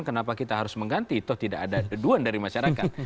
kenapa kita harus mengganti toh tidak ada aduan dari masyarakat